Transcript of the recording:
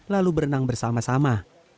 lalu berenang bersama sama